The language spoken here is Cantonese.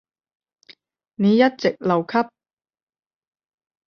你一直留級？